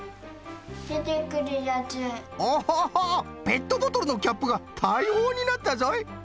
ペットボトルのキャップがたいほうになったぞい。